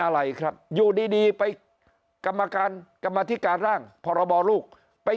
อะไรครับอยู่ดีไปกรรมการกรรมธิการร่างพรบลูกไป